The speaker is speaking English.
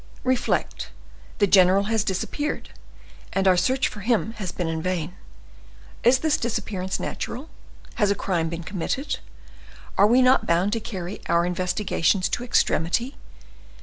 Reflect; the general has disappeared, and our search for him has been in vain. Is this disappearance natural? Has a crime been committed? Are we not bound to carry our investigations to extremity?